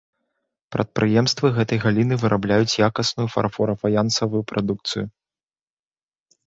Прадпрыемствы гэтай галіны вырабляюць якасную фарфора-фаянсавую прадукцыю.